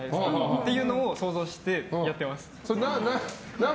っていうのを想像してやってます。